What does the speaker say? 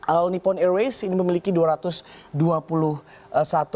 all nippon airways memiliki dua ratus dua puluh satu pesawat